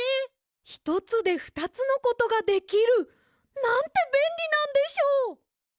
ひとつでふたつのことができる。なんてべんりなんでしょう！